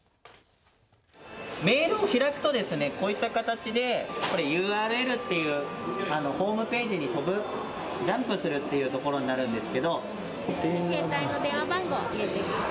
メールを開くと、こういった形でＵＲＬというホームページに飛ぶ、ジャンプするということになるんですけど。